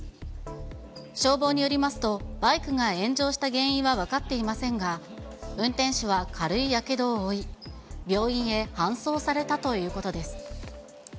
消防によりますと、バイクが炎上した原因は分かっていませんが、運転手は軽いやけどを負い、病院へ搬送されたということです。